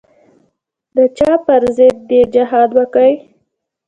د چا پر ضد دې جهاد وکي.